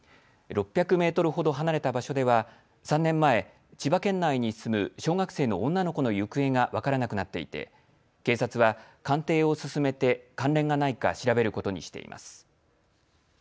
６００メートルほど離れた場所では３年前、千葉県内に住む小学生の女の子の行方が分からなくなっていて警察は鑑定を進めて関連がないか調べることにしています。